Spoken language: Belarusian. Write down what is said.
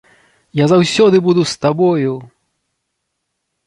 Я заўсёды буду з табою!